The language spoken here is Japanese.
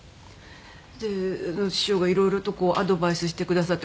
で師匠が色々とアドバイスしてくださって。